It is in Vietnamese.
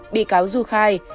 bị cáo du khai